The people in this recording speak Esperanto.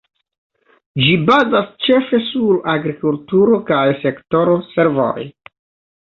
Ĝi bazas ĉefe sur agrikulturo kaj sektoro servoj.